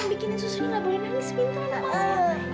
bikinin susu ini gak boleh nangis pintar anak anak ya